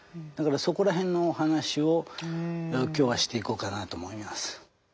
だからそこら辺のお話を今日はしていこうかなと思います。